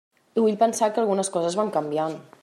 I vull pensar que algunes coses van canviant.